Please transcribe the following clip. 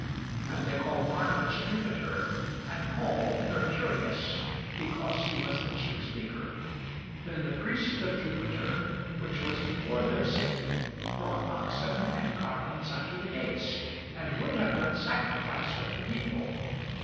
And they called Barnabas, Jupiter; and Paul, Mercurius, because he was the chief speaker. Then the priest of Jupiter, which was before their city, brought oxen and garlands unto the gates, and would have done sacrifice with the people.